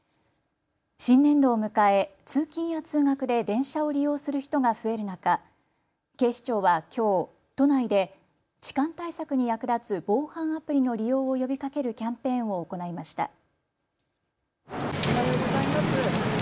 新年度を迎え通勤や通学で電車を利用する人が増える中、警視庁はきょう都内で痴漢対策に役立つ防犯アプリの利用を呼びかけるキャンペーンを行いました。